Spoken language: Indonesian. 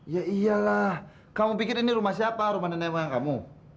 ya iyalah kamu pikir ini rumah siapa rumah nenek kamu